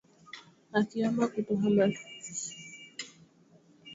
akiomba kutohamishia kesi yake nchini sweden